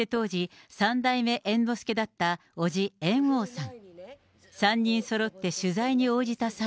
そして、当時、三代目猿之助だったおじ、猿翁さん。